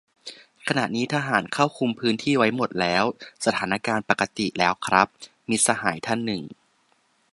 "ขณะนี้ทหารเข้าคุมพื้นที่ไว้หมดแล้ว สถานการณ์ปกติ แล้วครับ" - มิตรสหายท่านหนึ่ง